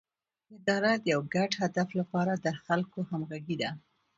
اداره د یو ګډ هدف لپاره د خلکو همغږي ده